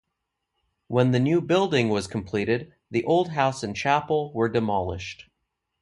When the new building was completed, the old house and chapel were demolished.